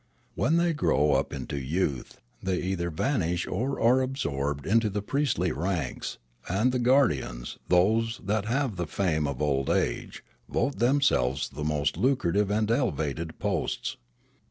When they grow up into youth, they either vanish or are absorbed into the priestly ranks, and the guardians, those that have the fame of old age, vote themselves the most lucrative and elevated posts.